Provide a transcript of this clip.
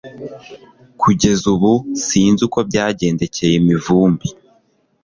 Kugeza ubu sinzi uko byagendekeye Mivumbi